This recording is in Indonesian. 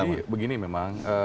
jadi begini memang